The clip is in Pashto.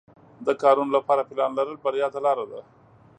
د کارونو لپاره پلان لرل بریا ته لار ده.